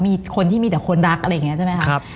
มีคนที่มีแต่คนรักอะไรอย่างนี้ใช่ไหมคะ